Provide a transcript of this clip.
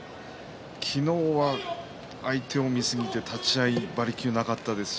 昨日は相手を見すぎて立ち合い馬力がありませんでした。